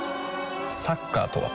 サッカーとは？